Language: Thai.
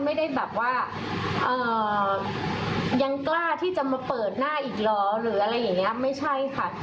ไม่ได้แบบว่ายังกล้าที่จะมาเปิดหน้าอีกเหรอหรืออะไรอย่างนี้ไม่ใช่ค่ะ